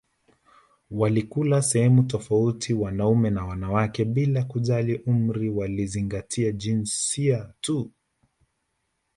Walikula sehemu tofauti wanaume na wanawake bila kujali umri walizingatia jinsia tu